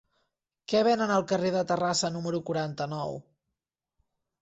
Què venen al carrer de Terrassa número quaranta-nou?